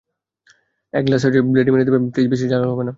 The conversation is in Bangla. এক গ্লাস ব্লাডি ম্যারি দিবে, প্লিজ, বেশি ঝাঁঝালো হবে না।